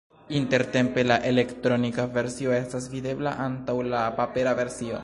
Intertempe la elektronika versio estas videbla antaŭ la papera versio.